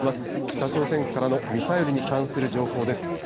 北朝鮮からのミサイルに関する情報です。